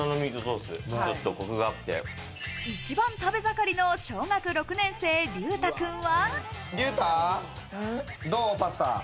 一番食べ盛りの小学６年生・琉太君は。